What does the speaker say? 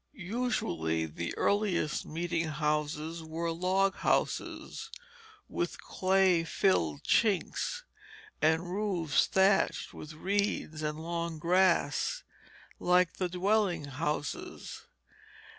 Usually the earliest meeting houses were log houses, with clay filled chinks, and roofs thatched with reeds and long grass, like the dwelling houses.